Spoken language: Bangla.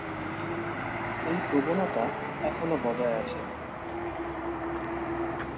এই প্রবণতা এখনও বজায় আছে।